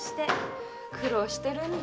苦労してるんだ。